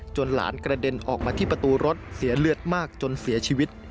หลานกระเด็นออกมาที่ประตูรถเสียเลือดมากจนเสียชีวิต